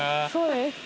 そうです。